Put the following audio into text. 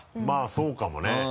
まぁそうかもね